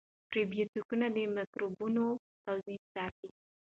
پروبیوتیکونه د مایکروبونو توازن ساتي.